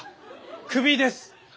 クビです。